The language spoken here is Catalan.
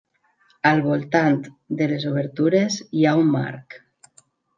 Al voltant de les obertures hi ha un marc.